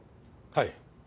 はい。